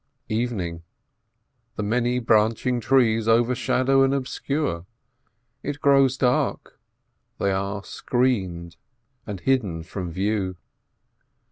Evening: the many branching trees overshadow and obscure, it grows dark, they are screened and hidden from view.